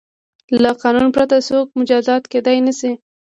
له قانون پرته څوک مجازات کیدای نه شي.